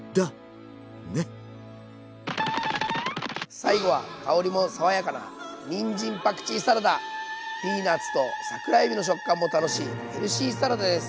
最後は香りも爽やかなピーナツと桜えびの食感も楽しいヘルシーサラダです。